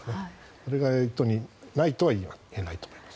それがないとは言えないと思います。